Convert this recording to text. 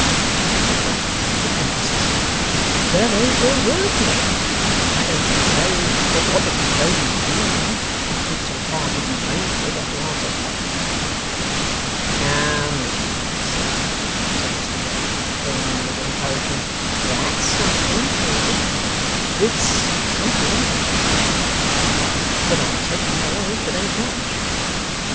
repeated Boffin, with emphasis. 'That ain't no word for it. I don't mean to say but what if you showed me a B, I could so far give you change for it, as to answer Boffin.' 'Come, come, sir,' said Mr Wegg, throwing in a little encouragement, 'that's something, too.' 'It's something,' answered Mr Boffin, 'but I'll take my oath it ain't much.